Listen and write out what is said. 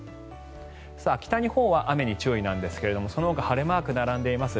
北日本は雨に注意ですがそのほか晴れマークが並んでいます。